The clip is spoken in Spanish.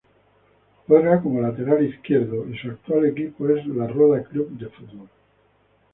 Juega como lateral izquierdo y su actual equipo es La Roda Club de Fútbol.